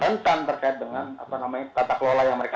konten terkait dengan apa namanya kata kelola yang mereka